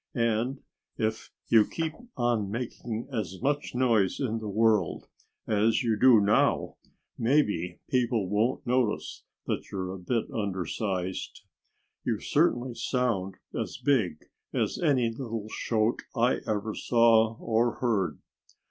And if you keep on making as much noise in the world as you do now, maybe people won't notice that you're a bit undersized. You certainly sound as big as any little shote I ever saw or heard."